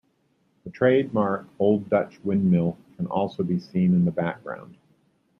The trademark Old Dutch windmill can also be seen in the background.